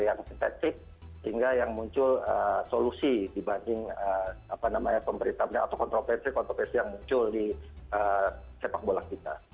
yang sintetik hingga yang muncul solusi dibanding apa namanya pemberitahannya atau kontroversi kontroversi yang muncul di sepak bola kita